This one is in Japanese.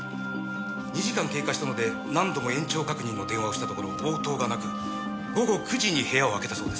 ２時間経過したので何度も延長確認の電話をしたところ応答がなく午後９時に部屋を開けたそうです。